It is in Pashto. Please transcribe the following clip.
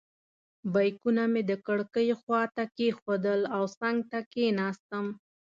بیکونه مې د کړکۍ خواته کېښودل او څنګ ته کېناستم.